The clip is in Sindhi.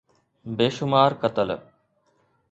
بيشمار قتل.